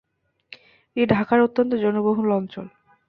এটি ঢাকার অত্যন্ত জনবহুল অঞ্চল।